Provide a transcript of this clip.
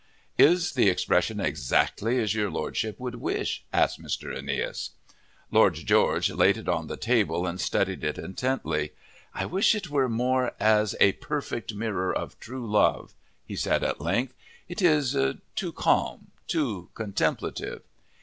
"Is the expression exactly as your Lordship would wish?" asked Mr. Aeneas. Lord George laid it on the table and studied it intently. "I wish it were more as a perfect mirror of true love," he said at length. "It is too calm, too contemplative."